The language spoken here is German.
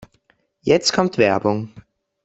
Jetzt kommt Werbung.